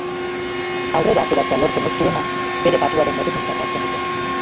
Aurrera ateratzea lortzen ez duena, bere patuaren erruduntzat hartzen dute.